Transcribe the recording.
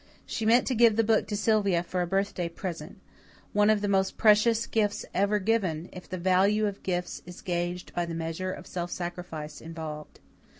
She meant to give the book to Sylvia for a birthday present one of the most precious gifts ever given, if the value of gifts is gauged by the measure of self sacrifice involved.